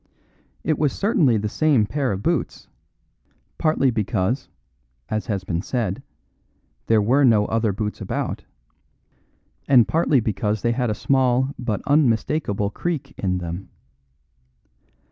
It was certainly the same pair of boots, partly because (as has been said) there were no other boots about, and partly because they had a small but unmistakable creak in them.